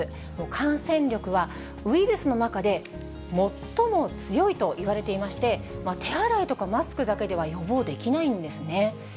感染力はウイルスの中で最も強いといわれていまして、手洗いとかマスクだけでは、予防できないんですね。